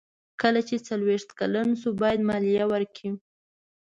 کله چې څلویښت کلن شو باید مالیه ورکړي.